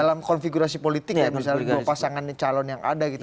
dalam konfigurasi politik ya misalnya dua pasangan calon yang ada gitu